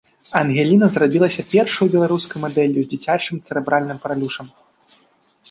Ангеліна зрабілася першаю беларускаю мадэллю з дзіцячым цэрэбральным паралюшам.